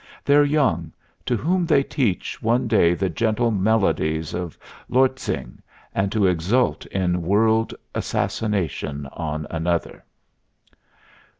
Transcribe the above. Their young, to whom they teach one day the gentle melodies of Lortzing, and to exult in world assassination on another?